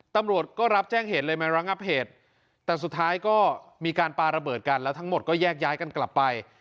ตำรวจก็รับแจ้งเหตุเลยมาระงับเหตุแต่สุดท้ายก็มีการปาระเบิดกันแล้วทั้งหมดก็แยกย้ายกันกลับไป